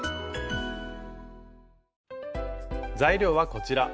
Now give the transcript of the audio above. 材料はこちら。